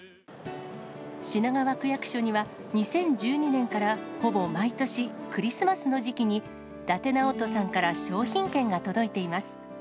品川区役所には、２０１２年からほぼ毎年、クリスマスの時期に、伊達直人さんから商品券が届いています。